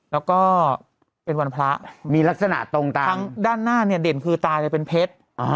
แล้วก็เป็นวันพระมีลักษณะตรงตาทั้งด้านหน้าเนี่ยเด่นคือตายเลยเป็นเพชร